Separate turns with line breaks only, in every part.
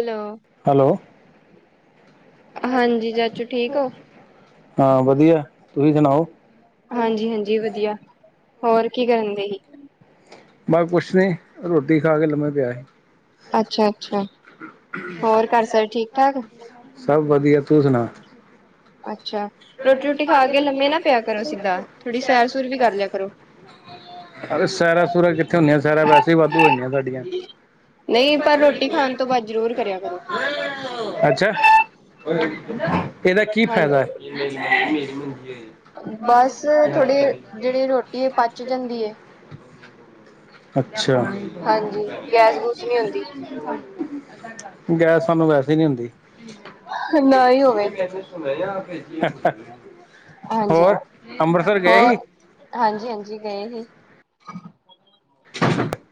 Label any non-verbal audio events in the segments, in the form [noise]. Hello
hello!
ਹਾਂਜੀ ਚਾਚੂ ਠੀਕ ਹੋ !
ਹਾਂ ਵਧੀਆ। ਤੁਸੀ ਸੁਣਾਓ?
ਹਾਂਜੀ ਹਾਂਜੀ ਵਧੀਆ ਹੋਰ, ਕੀ ਕਰਨ ਦੇ ਸੀ?
ਬਸ ਕੁੱਛ ਨੀ। ਰੋਟੀ ਖਾ ਕੇ ਲੰਮੇ ਪਿਆ ਸੀ।
ਅੱਛਾ ਅੱਛਾ ਹੋਰ ਘਰ ਸਾਰੇ ਠੀਕ ਠਾਕ
ਸਭ। ਵਧੀਆ ਤੂੰ ਸੁਣਾ।
ਅੱਛਾ ਰੋਟੀ ਰੋਟੀ ਖਾ ਕੇ ਲੰਮੇ ਨਾ ਪਿਆ ਕਰੋ ਸਿੱਧਾ। ਥੋੜੀ ਸੈਰ ਸੂਰ ਵੀ ਕਰ ਲਿਆ ਕਰੋ।
ਸੈਰਾਂ ਸਰਾ ਕਿੱਥੇ ਹੁੰਦੀਆਂ। ਸੈਰਾਂ ਵੈਸੇ ਵਾਧੂ ਹੋ ਜਾਂਦੀਆਂ ਸਾਡੀਆਂ।
ਨਹੀਂ ਪਰ ਰੋਟੀ ਖਾਣ ਤੋਂ ਬਾਅਦ ਜ਼ਰੂਰ ਕਰਿਆ ਕਰੋ
ਅੱਛਾ। ਇਹਦਾ ਕੀ ਫਾਇਦਾ ਹੈ?
ਹਾਂਜੀ
ਮੇ ਮੰ ਮੇਰੀ ਮੰਜੀ
ਬਸ
ਆ।
ਥੋੜੀ ।।। [unintelligible]
ਅੱਛਾ।
ਹਾਂਜੀ! ! ਗੈਸ ਗੂਸ ਨਹੀਂ ਹੁੰਦੀ।
ਗੈਸ ਸਾਨੂੰ ਵੈਸੇ ਨੀ ਹੁੰਦੀ।
ਨਾ ਹੀ ਹੋਵੇ
ਅਹ ਅਹ।
ਹਾਂਜੀ।
ਸੀ
ਹੋਰ? ਹਾਂਜੀ ਹਾਂਜੀ ਗਏ ਸੀ। ।।।। [unintelligible]
।।। [unintelligible]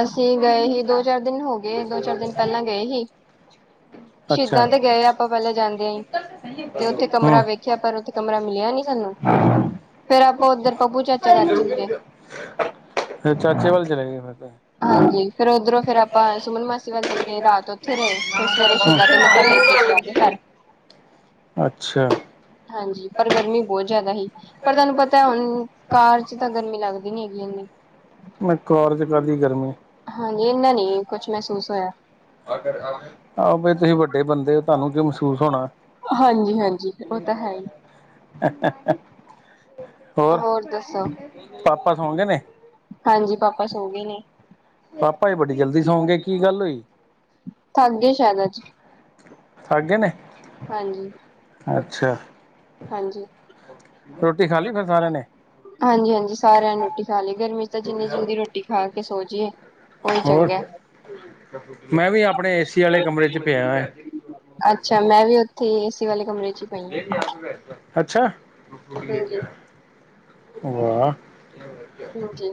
ਅਸੀਂ ਗਏ ਸੀ- ਦੋ ਚਾਰ ਦਿਨ ਹੋ ਗਏ ।ਦੋ ਚਾਰ ਦਿਨ ਪਹਿਲਾਂ ਗਏ ਸੀ।
ਅੱਛਾ
ਸ਼ਹੀਦਾਂ ਤੇ ਗਏ, ਆਪਾਂ ਪਹਿਲਾਂ ਜਾਂਦਿਆਂ ਹੀ। ਤੇ ਉੱਥੇ ਕਮਰਾ
ਹੂੰ
ਵੇਖਿਆ। ਪਰ ਉੱਥੇ ਕਮਰਾ ਮਿਲਿਆ ਨੀ ਸਾਨੂੰ। ਫੇਰ ਆਪਾਂ ਉੱਧਰ ਪੱਪੂ ਚਾਚਾ ਕਰ ਜਾਂਦੇ।
ਫਿਰ, ਚਾਚੇ ਵੱਲ ਚਲੇ ਗਏ ਫਿਰ? ਤੇ
ਹਾਂਜੀ। ਫੇਰ ਉੱਧਰੋਂ, ਫੇਰ ਆਪਾਂ ਸੁਮਨ ਮਾਸੀ ਵੱਲ ਚਲੇ ਗਏ । ਰਾਤ ਉੱਥੇ ਰਹੇ। ਫਿਰ ਸਵੇਰੇ ਸਿੱਧਾ । ਗੇ।
ਅੱਛਾ।
ਹਾਂਜੀ ਪਰ ਗਰਮੀ ਬਹੁਤ ਜ਼ਿਆਦਾ ਹੀ। ਪਰ ਤੁਹਾਨੂੰ ਪਤਾ, ਹੁਣ ਕਾਰ ਚ ਤਾਂ ਗਰਮੀ ਲੱਗਦੀ । ਨੀ ਹੈਗੀ ਇਹਨੀ।
ਮ ਕਾਰ ਚ ਕਾ ਦੀ ਗਰਮੀ।
ਹਾਂਜੀ ।ਇਨਾ ਨੀ, ਕੁਛ ਮਹਿਸੂਸ ਹੋਇਆ।
ਆਹੋ ਬਈ ਤੁਸੀਂ ਵੱਡੇ ਬੰਦੇ ਹੋ, ਤੁਹਾਨੂੰ ਕੀ ਮਹਿਸੂਸ ਹੋਣਾ।
ਹਾਂਜੀ- ਹਾਂਜੀ, ਉਹ ਤਾਂ ਹੈ ਹੀ।
ਹੋਰ ਪਾਪਾ ਸੌਂ ਗੇ ਨੇ।
ਹਾਂਜੀ, ਪਾਪਾ ਸੋ ਗਏ ਨੇ।
ਪਾਪਾ ਜੀ ਬੜੀ ਜਲਦੀ ਸੌਂ ਗੇ, ਕੀ ਗੱਲ ਹੋਈ?
ਥੱਕ ਗਏ ਸ਼ਾਇਦ ਅੱਜ
ਥੱਕ ਗਏ ਨੇ।
ਹਾਂਜੀ।
ਅੱਛਾ।
ਹਾਂਜੀ
ਰੋਟੀ ਖਾ ਲਈ ਫਿਰ ਸਾਰਿਆਂ ਨੇ
-ਹਾਂਜੀ- ਹਾਂਜੀ, ਸਾਰਿਆਂ ਨੇ ਰੋਟੀ ਖਾ ਲਈ। ਤੇ ਜਿੰਨੀ ਜਲਦੀ ਰੋਟੀ ਖਾ ਕੇ ਸੋ ਜੀਏ ।
ਹੋਰ ਮੈਂ ਵੀ ਆਪਣੇ ਏਸੀ ਵਾਲੇ ਕਮਰੇ ਚ ਪਿਆ ਹਾਂ।
ਏ ਸੀ ਵਾਲੇ ਕਮਰੇ ਚ ਹੀ ਪਈ
ਅੱਛਾ।
ਹਾਂ ਹਾਂਜੀ ਹਾਂਜੀ।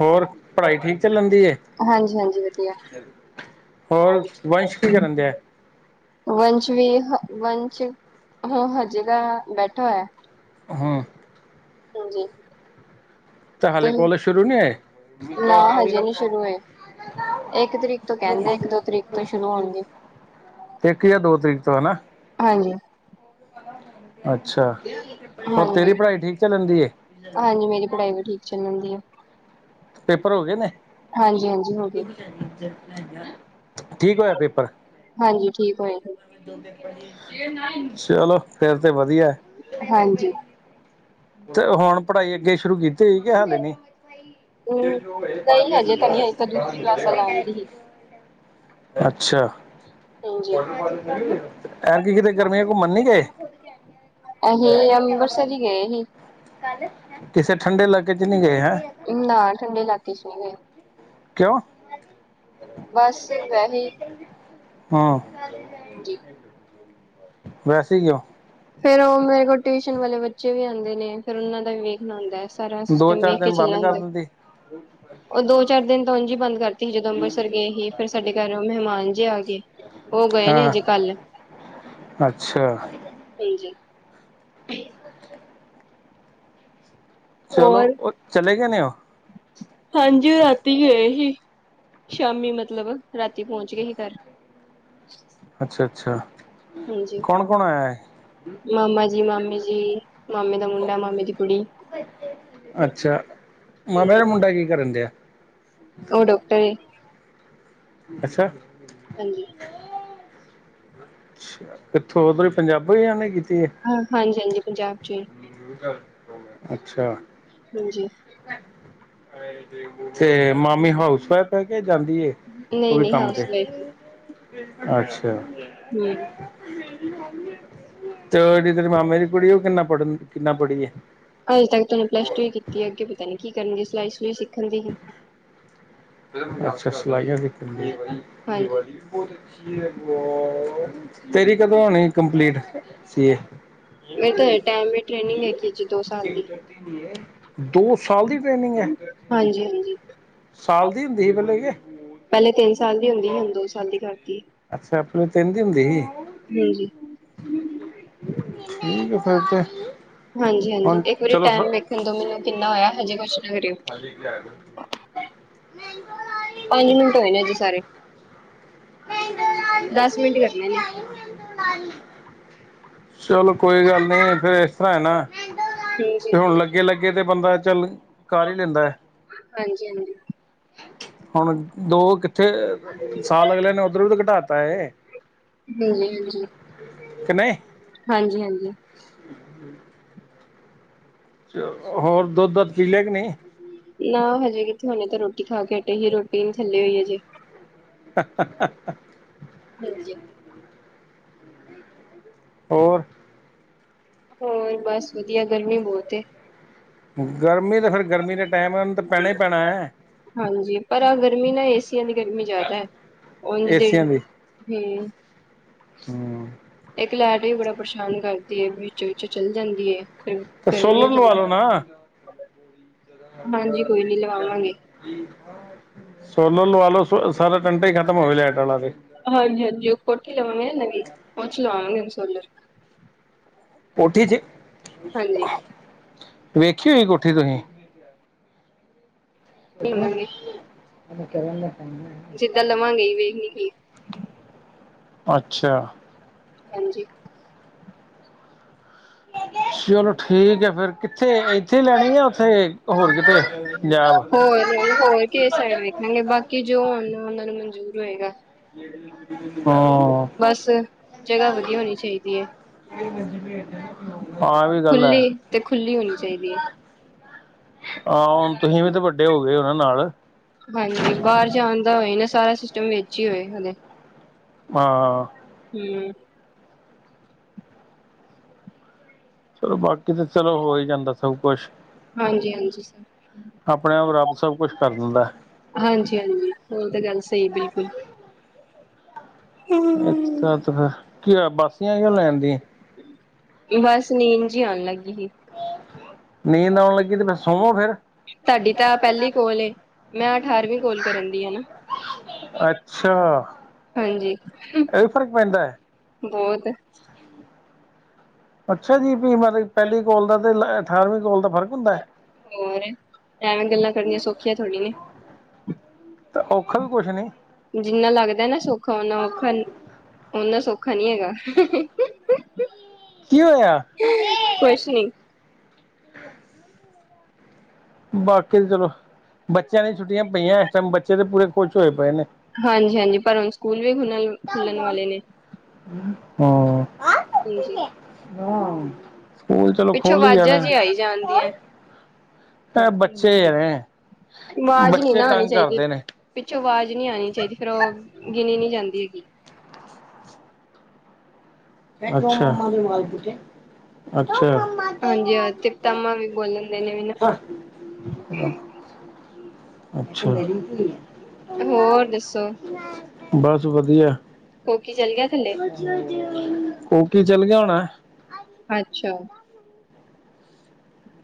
ਹੋਰ ਪੜ੍ਹਾਈ ਠੀਕ ਚੱਲਣ ਦੀ ਏ।
ਹਾਂਜੀ ਹਾਂਜੀ ਵਧੀਆ
ਹੋਰ, ਵੰਸ਼ ਕੀ ਕਰਨ ਦਿਆ
ਵੰਸ਼ ਵੀ ਵੰਸ਼, ਹ ਹਜੇ ਤਾਂ ਬੈਠਾ ਹੋਇਆ।
ਅਹ
ਹਾਂਜੀ,
ਤੇ ਹਾਲੇ ਕੋਲਜ ਸ਼ੁਰੂ ਨਹੀਂ ਹੋਏ
ਨਾ ਹਜੇ ਨਹੀਂ ਸ਼ੁਰੂ ਹੋਏ। ਇੱਕ ਤਰੀਕ ਤੋਂ ਕਹਿੰਦੇ, ਇੱਕ ਦੋ ਤਰੀਕ ਤੋਂ ਸ਼ੁਰੂ ਹੋਣਗੇ।
ਇੱਕ ਜਾਂ ਦੋ ਤਰੀਕ ਤੋਂ ਹੈ ਨਾ।
ਹਾਂਜੀ,
ਅੱਛਾ, ਹੋਰ ਤੇਰੀ
ਹਾਂਜੀ
ਪੜ੍ਹਾਈ ਠੀਕ ਚੱਲਣ ਦੀ ਏ।
ਹਾਂਜੀ ਮੇਰੀ ਪੜ੍ਹਾਈ ਵੀ ਠੀਕ ਚੱਲਣ ਦੀ ਏ,
ਪੇਪਰ ਹੋ ਗਏ ਨੇ
ਹਾਂਜੀ- ਹਾਂਜੀ ਹੋ ਗੇ।
ਠੀਕ ਹੋਇਆ ਪੇਪਰ।
ਹਾਂਜੀ ਠੀਕ ਹੋਏ
ਚਲੋ ਫੇਰ ਤੇ ਵਧੀਆ।
ਹਾਂਜੀ,
ਤੇ ਹੁਣ ਪੜ੍ਹਾਈ ਅੱਗੇ ਸ਼ੁਰੂ ਕੀਤੀ ਹੋਈ, ਕਿ ਹਾਲੇ ਨੀ।
ਹਮ ਨਹੀਂ ਹਜੇ ਤਾਂ ਨਹੀਂ ਹਜੇ ਤਾਂ ਦੂਸਰੀ ਕਲਾਸਾਂ ਲਾਉਣ ਦੀ ਹੀ
[inaudible] ਅੱਛਾ,
ਹਾਂਜੀ
ਐਤਕੀ ਕਿਤੇ ਗਰਮੀਆਂ ਚ ਘੁੰਮਣ ਨੀ ਗਏ।
ਅਸੀਂ ਅੰਬਰਸਰ ਹੀ ਗਏ ਸੀ।
ਕਿਸੇ ਠੰਡੇ ਇਲਾਕੇ ਚ ਨਹੀਂ ਗਏ। ਹੈਂ
ਨਾ ਠੰਡੇ ਇਲਾਕੇ ਚ ਨਹੀਂ ਗਏ।
ਕਿਉਂ?
ਬਸ ਵੈਸੇ
ਹਾਂ,
ਹਾਂਜੀ ਫੇਰ ਉਹ ਮੇਰੇ ਕੋਲ ਟਿਊਸ਼ਨ ਵਾਲੇ ਬੱਚੇ ਵੀ ਆਂਦੇ ਨੇ, ਫਿਰ ਉਹਨਾਂ ਦਾ ਵੀ ਵੇਖਣਾ ਹੁੰਦਾ ਐ।
ਦੋ ਚਾਰ ਦਿਨ ਬੰਦ ਕਰ ਦਿੰਦੀ।
ਉਹ ਦੋ ਚਾਰ ਦਿਨ ਤਾਂ ਉਂਜ ਈ ਬੰਦ ਕਰਤੀ ਸੀ, ਜਦੋਂ ਅੰਬਰਸਰ ਗਏ ਸੀ, ਫਿਰ ਸਾਡੇ ਘਰ ਮਹਿਮਾਨ ਜੇ ਆ ਗਏ। ਉਹ ਗਏ ਨੇ
ਹਾਂ
ਅਜੇ ਕੱਲ੍ਹ।
ਅੱਛਾ,
ਹਾਂਜੀ, [unintelligible]
ਚਲੋ,
ਹੋਰ
ਉਹ ਚਲੇ ਗਏ ਨੇ ਉਹ।
ਹਾਂਜੀ, ਉਹ ਰਾਤੀ ਗਏ ਸੀ। ਸ਼ਾਮੀ ਮਤਲਬ, ਰਾਤੀ ਪਹੁੰਚ ਗਏ ਸੀ ਘਰ।
ਅੱਛਾ- ਅੱਛਾ।
ਹਾਂਜੀ
ਕੌਣ ਕੌਣ ਆਇਆ ਹੈ
ਮਾਮਾ ਜੀ, ਮਾਮੀ ਜੀ ਮਾਮੇ ਦਾ ਮੁੰਡਾ ਮਾਮੇ ਦੀ ਕੁੜੀ
ਮਾਮੇ
ਹਾਂਜੀ,
ਦਾ ਮੁੰਡਾ ਕੀ ਕਰਨ ਦਿਆ ਐ।
ਉਹ ਡੋਕਟਰ ਏ
ਅੱਛਾ
ਹਾਂਜੀ
ਅੱਛਾ ਕਿੱਥੋਂ ਉਧਰੋਂ ਪੰਜਾਬੋਂ
ਹ ਹਾਂਜੀ ਹਾਂਜੀ ਪੰਜਾਬ ਚੋ ਹੀ
ਅੱਛਾ
ਹਾਂਜੀ
ਤੇ ਮਾਮੀ ਹਾਊਸ ਵਾਈਫ ਹੈ ਕੇ ਜਾਂਦੀ ਹੈ ਓ ਵੀ
ਨਈ-ਨਈ
ਕੰਮ ਤੇ
ਹਾਊਸ ਵਾਈਫ
ਅੱਛਾ
ਹਮ
ਤੇ ਉਹ ਜਿਹੜੀ ਤੇਰੇ ਮਾਮੇ ਦੀ ਕੁੜੀ ਉਹ ਕਿੰਨਾ ਪੜ੍ਹਨ ਕਿੰਨਾ ਪੜ੍ਹੀ ਐ
ਅਜੇ ਤੱਕ ਓਹਨੇ ਪਲੱਸ ਟੂ ਹੀ ਕੀਤੀ ਐ ਅੱਗੇ ਪਤਾ ਨੀ ਕੀ ਕਰਨ ਗੀ ਸਿਲਾਈ ਸੁਲਈ ਸਿੱਖਣ ਦੀ ਹੀ।
ਅੱਛਾ ਸਿਲਾਈਆਂ ਸਿੱਖ
ਹਾਂਜੀ,
ਤੇਰੀ ਕਦੋਂ ਹੋਣੀ ਕੰਪਲੀਟ ਸੀ ਏ।
ਮੇਰੇ ਤਾਂ ਹਜੇ ਟਾਈਮ ਏ, ਟ੍ਰੇਨਿੰਗ ਹੈਗੀ ਹਜੇ ਦੋ ਸਾਲ ਦੀ।
ਦੋ ਸਾਲ ਦੀ ਟ੍ਰੇਨਿੰਗ ਐ
ਹਾਂਜੀ-ਹਾਂਜੀ ਪੈਲੇ
[inaudible]
ਤਿੰਨ ਸਾਲ ਦੀ ਹੁੰਦੀ ਹੁਣ ਦੋ ਸਾਲ ਦੀ ਕਰਦੀ
ਅੱਛਾ, ਆਪ ਤਿੰਨ ਦੀ ਸੀ।
[inaudible]
ਠੀਕ ਹੈ ਫਿਰ ਤੇ
ਹਾਂਜੀ-ਹਾਂਜੀ
ਹੁਣ
ਇੱਕ ਵਾਰੀ
ਚਲੋ
ਟੈਮ ਵੇਖਣ ਤੋਂ ਮੈਨੂੰ ਕਿੰਨਾ ਹੋਇਆ ਹਜੇ ਕੁ
ਹਾਂਜੀ ਆ
ਪੰਜ ਮਿੰਟ ਹੋਏ ਨੇ ਜੇ ਸਾਰੇ
[inaudible]
ਦਸ ਮਿੰਟ ਕਰਨੇ ਨੇ।
ਚਲੋ ਕੋਈ ਗੱਲ ਨਹੀਂ ਫਿਰ ਇਸ ਤਰ੍ਹਾਂ ਹੈ ਨਾ
ਹਾਂਜੀ,
ਤੇ ਹੁਣ ਲੱਗੇ ਲੱਗੇ ਤੇ ਬੰਦਾ ਚੱਲ ਕਰ ਹੀ ਲੈਂਦਾ ਹੈ
ਹਾਂਜੀ-ਹਾਂਜੀ,
ਹੁਣ ਦੋ ਕਿੱਥੇ ਸਾਲ ਅਗਲੇ ਦੁੱਧ ਘਟਾਤਾ ਹੈ
ਹਾਂਜੀ-ਹਾਂਜੀ।
ਕਿ ਨਹੀਂ
ਹਾਂਜੀ-ਹਾਂਜੀ।
ਹਮ- ਚ ਹੋਰ ਦੁੱਧ- ਦਦਪੀ ਲਿਆ ਕੇ ਨਹੀਂ
ਨਾ ਹਜੇ ਕਿਥੇ ਹੁਣੇ ਤਾਂ ਰੋਟੀ ਖਾ ਕੇ ਹਟੇ ਹੀ ਰੋਟੀ ਨੀ ਥੱਲੇ ਹੋਈ ਹਜੇ
[inaudible]
[inaudible]
ਹੋਰ-
ਹੋਰ ਬਸ ਵਧੀਆ ਗਰਮੀ ਬਹੁਤ ਐ
ਗਰਮੀ ਤਾਂ ਫੇਰ ਗਰਮੀ ਦੇ ਟਾਈਮ ਉਹ ਨੂੰ ਤਾਂ ਪੈਣਾ ਹੀ ਪੈਣਾ ਹੈ
ਹਾਂਜੀ ਪਰ ਆਹ ਗਰਮੀ ਨਾ ਏਸੀਆਂ ਦੀ ਗਰਮੀ ਜ਼ਿਆਦਾ ਹੈ ਉਹ ਹਮ
ਹਮ-
ਲੈਟ ਵੀ ਬੜਾ ਪਰੇਸ਼ਾਨ ਕਰਦੀ ਹੈਏ ਵਿੱਚ ਵਿਚ ਚੱਲ ਜਾਂਦੀ ਹੈ ਤੇ ਕਈ
ਸੋਲਰ ਲਵਾ ਲੋ ਨਾ
ਲਵਾਵਾਂਗੇ
ਸੋਲਰ ਲਵਾ ਲੋ ਸਾਰਾ ਟੰਟਾ ਹੀ ਖਤਮ ਹੋਵੇ ਲਾਈਟ ਵਾਲਾ ਤੇ
ਹਾਂਜੀ- ਹਾਂਜੀ ਉਹ ਕੋਠੀ ਲਵਾਂਗੇ ਨਵੀ ਪੁਛ ਲਵਾਗੇ ਸੁੱਲ-
ਕੋਠੀ ਚ
ਹਾਂਜੀ
ਵੇਖੀ ਹੋਈ ਕੋਠੀ ਤੁਸੀਂ
[inaudible]
[inaudible]
ਜਿੱਦਾਂ ਲਵਾਂਗੇਈ ਵੇਖ ਨ ਗ
ਅੱਛਾ
ਹਾਂਜੀ
ਚਲੋ ਠੀਕ ਹੈ ਫੇਿਰ ਕਿੱਥੇ ਇੱਥੇ ਲੈਣੀ ਆ ਉੱਥੇ ਹੋਰ ਕਿਤੇ ਪੰਜਾਬ
ਹਗੇ ਬਾਕੀ ਜੋ ਹੋਣ ਉਹਨਾਂ ਨੂੰ ਮਨਜੂਰ ਹੋਏਗਾ ਬਸ
[unintelligible]
ਜਗ੍ਹਾ ਵਧੀਆ
[unintelligible] ਹਾਂ ਇਹ ਵੀ ਗੱਲ ਹੈ
ਖੁਲੀਤੇ ਖੁੱਲੀ ਹੋਣੀ ਚਾਹੀਦੀ ਹੈ
ਹਾਂ ਹੁਣ ਤੁਸੀਂ ਵੀ ਤੇ ਵੱਡੇ ਹੋ ਗਏ ਉਹਨਾਂ ਨਾਲ
ਹਾਂਜੀ ਬਾਹਰ ਜਾਣ ਦਾ ਹੋਏ ਨਾ ਸਾਰਾ ਸਿਸਟਮ ਵਿੱਚ ਹੀ ਹੋਏ ਹ
ਹਾਂ
ਹਮ
ਚਲੋ ਬਾਕੀ ਤਾਂ ਚਲੋ ਹੋ ਹੀ ਜਾਂਦਾ ਸਭ ਕੁਛ
ਹਾਂਜੀ ਹਾਂਜੀ ਸਰ
ਆਪਣੇ ਆਪ ਰੱਬ ਸਭ ਕੁਛ ਕਰ ਦਿੰਦਾ
ਹਾਂਜੀ ਹਾਂਜੀ ਹੋਰ ਤਾਂ ਗੱਲ ਸਹੀ ਬਿਲਕੁਲ
ਅੱਛਾ ਤੇ ਫਰ ਕੀ ਬਾਸੀਆਂ ਕਿਉ ਲੈਣ ਦੀਆਂ
ਬਸ ਨੀਦ ਜੀ ਆਉਣ ਲੱਗੀ ਸੀ
ਨੀਂਦ ਆਉਣ ਲੱਗੀ ਤੇ ਫਿਰ ਸੋਵੋ ਫੇਰ
ਤੁਹਾਡੀ ਤਾਂ ਪਹਿਲੀ ਕੋਲ ਮੈਂ ਅਠਾਰਵੀਂ ਕੋਲ ਕਰਨ ਦੀ ਆ ਨਾ
ਅੱਛਾ
ਹਾਂਜੀ
ਇਹ ਵੀ ਫ਼ਰਕ ਪੈਂਦਾ ਹੈ
ਬਹੁਤ
ਅੱਛਾ ਜੀ ਵੀ ਮਤਲਬ ਪਹਿਲੀ ਕੋਲ ਦਾ ਤੇ ਅਠਾਰਵੀਂ ਕੋਲ ਦਾ ਫ਼ਰਕ ਹੁੰਦਾ ਹੈ
ਹੋਰ ਐਵੇਂ ਗੱਲਾਂ ਕਰਨੀਆਂ ਸੌਖੀੀਆਂ ਥੋੜੀਆਂ
ਤੇ ਔਖਾ ਵੀ ਕੁਛ ਨੀ
ਜਿੰਨਾ ਲੱਗਦਾ ਨਾ ਸੌਖਾ ਓਨਾ ਔਖਾ ਓਨਾ ਸੌਖਾ ਖਾ ਨਹੀਂ ਹੈਗਾ
ਕੀ ਹੋਇਆ
ਕੁਛ ਨੀ
ਬਾਕੀ ਚਲੋ ਬੱਚਿਆਂ ਨੇ ਛੁੱਟੀਆਂ ਪਈਆਂ ਇਸ ਟਾਈਮ ਬੱਚੇ ਤੇ ਪੂਰੇ ਖੁਸ਼ ਹੋਏ ਪਏ ਨੇ
ਹਾਂਜੀ ਹਾਂਜੀ ਪਰ ਹੁਣ ਸਕੂਲ ਵੀ ਖੁੱਲਣ ਖੁੱਲਣ ਵਾਲੇ ਨੇ
ਹਾਂ
ਹਾਂਜੀ
ਸਕੂਲ ਚਲੋ
ਪਿੱਛੋਂ
ਖੋਲ ਹੀ
ਆਵਾਜ਼ਾਂ
ਜਾਣੇ
ਜੀ ਆਈ ਜਾਂਦੀਆਂ
ਇਹ ਬੱਚੇ ਨੇ
ਆਵਾਜ਼ ਨੀ
ਬੱਚੇ
ਨਾ ਆਣੀ
ਤੰਗ
ਚਾਹੀਦੀ
ਕਰਦੇ ਨੇ
ਪਿੱਛੋਂ ਆਵਾਜ਼ ਨਹੀਂ ਆਣੀ ਚਾਹੀਦੀ ਫੇਰ ਉਹ ਗਿਣੀ ਨੀ ਜਾਂਦੀ ਹੈਗੀ
[unintelligible] ਅੱਛਾ
ਹਾਂਜੀ ਹਾਂ [unintelligible] ਵੀ ਬੋਲਣ ਦੇ ਨੇ ਵੀ
ਅਛਾ
ਹੋਰ ਦੱਸੋ
ਬਸ ਵਧੀਆ
ਕੋਕੀ ਚੱਲ ਗਿਆ ਥੱਲੇ
[inaudible] ਉਹ ਕੀ ਚੱਲ ਗਿਆ ਹੋਣਾ
ਅੱਛਾ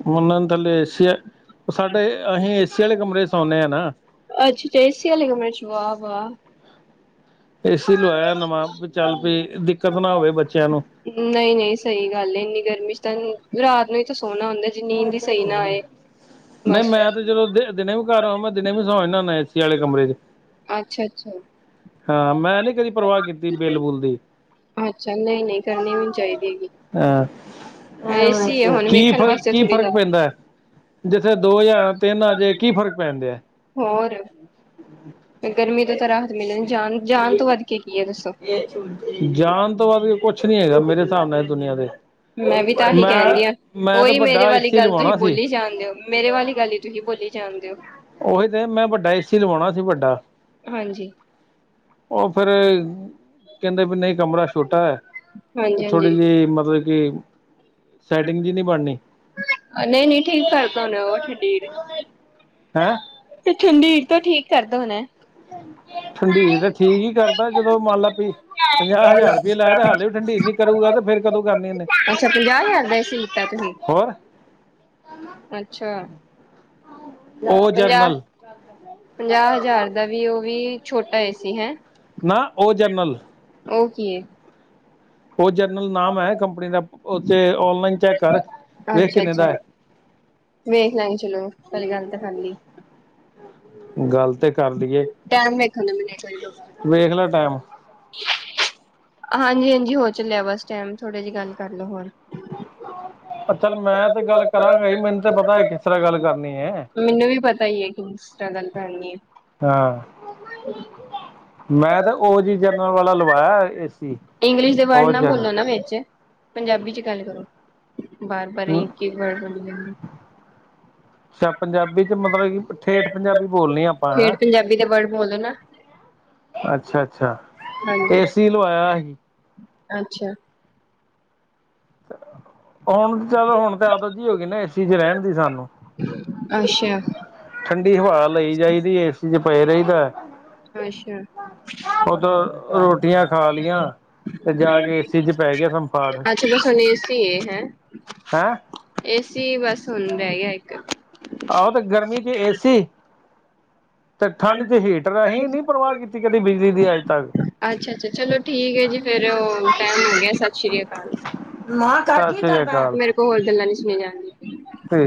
ਮੰਨਣ ਥੱਲੇ ਏਸ਼ ਸਾਡੇ ਅਸੀਂ ਏ ਸੀ ਵਾਲੇ ਕਮਰੇ ਸੋਣੇ ਆ ਨਾ
ਅੱਛਾ ਏ ਸੀ ਵਾਲੇ ਕਮਰੇ ਚ ਵਾਹ ਵਾਹ
ਏਸੀ ਲਵਾਇਆ ਨਵਾਂ ਵੀ ਚੱਲ ਵੀ ਦਿੱਕਤ ਨਾ ਹੋਵੇ ਬੱਚਿਆਂ ਨੂੰ
ਨਹੀਂ ਨਹੀਂ ਸਹੀ ਗੱਲ ਏ ਇੰਨੀ ਗਰਮੀ ਚ ਤਾਂ ਰਾਤ ਨੂੰ ਹੀ ਤਾਂ ਸੋਹਣਾ ਹੁੰਦਾ ਜੇ ਨੀਂਦ ਹੀ ਸਹੀ ਨਾ ਆਏ
ਨਹੀਂ
ਬਸ
ਮੈਂ ਤੇ ਜਦੋ ਦੇ ਦਿਨੇ ਵੀ ਘਰ ਆ ਮੈਂ ਦਿਨੇ ਵੀ ਸੌ ਜਾਣਾ ਹੁਣਾ ਏਸੀ ਵਾਲੇ ਕਮਰੇ ਚ
ਅੱਛਾ ਅੱਛਾ
ਹਾਂ ਮੈਂ ਨੀ ਕਦੀ ਪਰਵਾਹ ਕੀਤੀ ਬੇਲਬੁਲ ਦੀ
ਅੱਛਾ ਨਹੀਂ ਨਹੀਂ ਕਰਨੀ ਹੋਣੀ ਚਾਹੀਦੀ ਹੈਗੀ
ਹਾਂ
ਏਸੀ ਹੈ ਹੁਣ
ਕੀ
ਵੇਖਣ
ਫਰ
ਵਾਸਤੇ
ਫਰਕ
ਥੋੜ੍ਹੀ
ਫ਼ਰਕ
ਲ
ਪੈਂਦਾ ਹੈ ਜਿੱਥੇ ਦੋ ਜਾਂ ਤਿੰਨ ਆਜੇ ਕੀ ਫ਼ਰਕ ਪੈਂਦੇ ਹੈ
ਹੋਰ
[inaudible]
ਗਰਮੀ ਤੋਂ ਤਾਂ ਰਾਹਤ ਮਿਲਣੀ ਜਾਨ ਜਾਾਨ ਤੋਂ ਵੱਧ ਕੇ ਕੀ ਹੈ ਦੱਸੋ
ਜਾਣ ਤੋਂ ਬਾਅਦ ਕੁਛ ਨੀ ਹੈਗਾ ਮੇਰੇ ਹਿਸਾਬ ਨਾਲ ਦੁਨੀਆਂ ਦੇ
ਮੈਂ ਵੀ ਤਾਂ ਇਹੀ ਕਹਿਣਦੀ ਹਾਂ
ਮੈਂ ਤਾਂ
ਉਹੀ ਮੇਰੇ
ਵੱਡਾ
ਵਾਲੀ
ਏਸੀ
ਗੱਲ ਤੁਸੀਂ
ਲਵਾਉਣਾ ਸੀ।
ਬੋਲੀ ਜਾਣਦੇ ਹੋ ਮੇਰੇ ਵਾਲੀ ਗੱਲ ਹੀ ਤੁਸੀਂ ਬੋਲੀ ਜਾਣਦੇ ਹੋ
ਉਹੀ ਤੇ ਮੈਂ ਵੱਡਾ ਏਸੀ ਲਵਾਉਣਾ ਸੀ ਵੱਡਾ
ਹਾਂਜੀ
ਉਹ ਫਿਰ ਕਹਿੰਦੇ ਵੀ ਨਹੀਂ ਕਮਰਾ ਛੋਟਾ ਹੈ
ਹਾਂਜੀ ਹਾਂਜੀ
ਥੋੜ੍ਹੀ ਜਿਹੀ ਮਤਲਬ ਕਿ ਸੈਟਿੰਗ ਜੀ ਨਹੀਂ ਬਣਨੀ
ਨਹੀਂ ਨਹੀਂ ਠੀਕ [unintelligible] ਡਰ
ਹੈਂ
ਤੇ ਠੰਡੀਰ ਤੋਂ ਠੀਕ ਕਰਦਾ ਹੋਣਾ
ਠੰਡੀਰ ਤਾਂ ਠੀਕ ਹੀ ਕਰਦਾ ਜਦੋਂ ਮੰਨ ਲਾ ਪੀ ਪੰਜਾਹ ਹਜ਼ਾਰ ਰੁਪਈਆ ਲਾਇ ਤੇ ਹਾਲੇ ਵੀ ਠੰਡੀਰ ਨੀ ਕਰੂਗਾ ਤੇ ਫੇਰ ਕਦੋਂ ਕਰਨੀ ਇੇ
ਅੱਛਾ ਪੰਜਾਹ ਹਜ਼ਾਰ ਦਾ ਏਸੀ ਲਿੱਤਾ ਤੁਸੀਂ
ਹੋਰ
ਅੱਛਾ
ਉਹ
ਪੰਜਾਹ
ਜਰਨਲ
ਪੰਜਾਹ ਹਜ਼ਾਰ ਦਾ ਵੀ ਉਹ ਵੀ ਛੋਟਾ ਸੀ ਹੈਂ
ਨਾ ਉਹ ਜਰਨਲ
ਉਹ ਕੀ ਏ
ਉਹ ਜਰਨਰਲ ਨਾਮ ਹੈ ਕੰਪਨੀ ਦਾ ਉ ਓਨਲਾਈਨ ਚੈੱਕ ਕਰ ਵੇਖ
ਅੱਛਾ
ਕਿੰਨੇ ਦਾ
ਅੱਛਾ
ਹੈ
ਵੇਖ ਲੈਗ ਚ ਖਾਲੀ
ਗੱਲ ਤੇ ਕਰ
ਟਾਈਮ ਵੇਖਣ ਦੋ ਮੈਨੂੰ
ਵੇਖ ਲੈ ਟੈਮ
ਹਾਂਜੀ ਹਾਂਜੀ ਹੋ ਚੱਲਿਆ ਬਸ ਟਾਈਮ ਥੋੜੇ ਜਿਹੀ ਗੱਲ ਕਰ ਲੋ ਹੋਰ
ਅ ਚੱਲ ਮੈਂ ਤੇ ਗੱਲ ਕਰਾਂਗਾ ਮੈਨੂੰ ਤਾਂ ਪਤਾ ਹੈ ਕਿਸ ਤਰ੍ਹਾਂ ਗੱਲ ਕਰ
ਮੈਨੂੰ ਵੀ ਪਤਾ ਹੀ ਹੈ ਕਿੰ ਸਟਰਗਲ ਕਰਨੀ ਹੈ
ਹਾਂ ਮੈਂ ਤੇ ਉਹ ਜਿਹੀ ਜਰਨਲ ਵਾਲਾ ਲਵਾਇਆ ਇਸ
ਇੰਗਲਿਸ਼ ਦੇ ਵਰਡ ਨਾ ਬੋਲੋ ਨਾ ਵਿੱਚ ਪੰਜਾਬੀ ਚ ਗੱਲ ਕਰੋ ਬਾਰ ਬਾਰ
ਹ
ਇੱਕ ਹੀ ਵਰਡ ਬੋਲੀ ਜਾਂਦੇ
ਅਛਾ ਪੰਜਾਬੀ ਚ ਮਤਲਬ ਕਿ ਠੇਠ ਪੰਜਾਬੀ ਬੋਲਣੀ ਆ ਆਪਾਂ ਹੈਂ
ਫੇਰ ਪੰਜਾਬੀ ਦੇ ਵਰਡ ਬੋਲੋ ਨਾ
ਅੱਾ ਅੱਛਾ ਅੱਛਾ
ਹਾਂਜੀ
ਏਸੀ ਲਵਾਇਆ ਸੀ
ਅੱਛਾ
ਹੁਣ ਚੱਲ ਹੁਣ ਤੇ ਆਦ ਜਿ ਹੋ ਗਈ ਨਾ ਏਸੀ ਚ ਰਹਿਣ ਦੀ ਸਾਨੂੰ
ਅੱਛਾ
ੀ ਹਵਾ ਲਈ ਜਾਈਦੀ ਏਸੀ ਚ ਪਏ ਰਹੀਦਾ
ਅੱਛਾ
ਉਓਦੋਂ ਰੋਟੀਆਂ ਖਾ ਲਈਆਂ ਤੇ ਜਾ ਕੇ ਏਸੀ ਚ ਪੈ ਗਿਆ ਸੰਫਾੜ
ਅੱਛਾ ਬਸ ਹੁਣ ਏਸੀ ਏ ਹੈਂ
ਹੈਂ
ਏਸੀ ਬਸ ਹੁਣ ਰਹਿ ਗਿਆ ਇੱਕ
ਆਹੋ ਤੇ ਗਰਮੀ ਚ ਏਸੀ ਤੇ ਠੰਡ ਚ ਹੀਟਰ ਅਸੀਂ ਨਹੀਂੀ ਪਰਵਾਹ ਕੀਤੀ ਕਦੀ ਬਿਜਲੀ ਦੀ ਅੱਜ ਤੱਕ
ਅੱਛਾ ਅੱਛਾ ਚਲੋ ਠੀਕ ਹੈ ਜੀ ਫੇਿਰ ਟਾਈਮ ਹੋ ਗਿਆ ਸਤਿ ਸ੍ਰੀ ਅਕਾਲ
ਸਤਿ ਸ੍ਰੀ ਅਕਾਲ
ਮੇਰੇ ਕੋਲ ਹੋਰ ਗੱਲਾਂ ਨੀ ਸੁਣੀਆਂ ਜਾਣਗਆਂ
ਤੇ